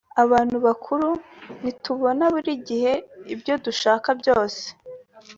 abantu bakuru ntitubona buri gihe ibyo dushaka byose